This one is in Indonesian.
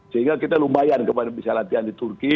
sehingga kita lumayan kepada bisa latihan di turki